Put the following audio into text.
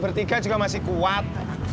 bertiga juga masih kuat